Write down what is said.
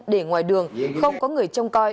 để ngoài đường không có người trông coi